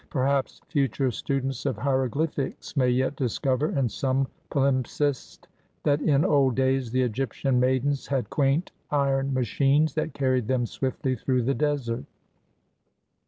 Perhaps future students of hieroglyphics may yet discover in some palimpsest that in old days the Egyptian maidens had quaint iron machines that carried them swiftly through the desert.